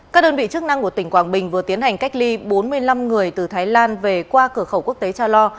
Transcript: các đơn vị chức năng của tỉnh quảng bình vừa tiến hành cách ly bốn mươi năm người từ thái lan về qua cửa khẩu quốc tế cha lo